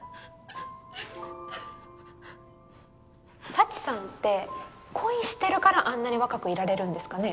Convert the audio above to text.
佐知さんって恋してるからあんなに若くいられるんですかね？